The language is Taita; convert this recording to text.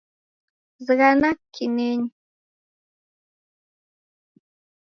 Zighana kinenyi